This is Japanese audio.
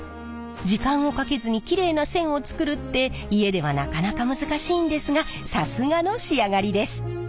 時間をかけずにキレイな線を作るって家ではなかなか難しいんですがさすがの仕上がりです。